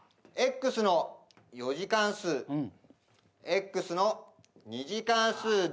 ｘの４次関数ｘの２次関数で。